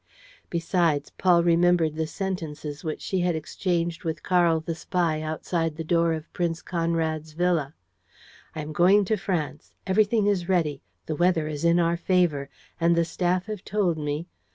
Besides, Paul remembered the sentences which she had exchanged with Karl the spy outside the door of Prince Conrad's villa: "I am going to France ... everything is ready. The weather is in our favor; and the staff have told me.